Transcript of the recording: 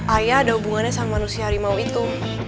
ayah ada hubungannya sama manusia harimau itu